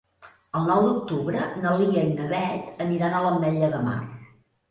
El nou d'octubre na Lia i na Beth aniran a l'Ametlla de Mar.